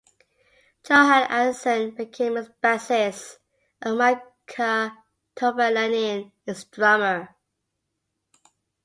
Johan Hansson became its bassist, and Mika Tovalainen its drummer.